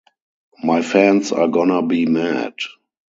My fans are gonna be mad.